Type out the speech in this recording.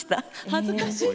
恥ずかしい。